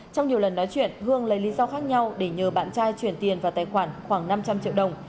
trong nhiều lần nói chuyện hương lấy lý do khác nhau để nhờ bạn trai chuyển tiền vào tài khoản khoảng năm trăm linh triệu đồng